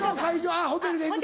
あっホテルへ行くと。